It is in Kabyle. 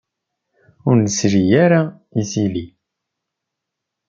Ur nesri ara isili.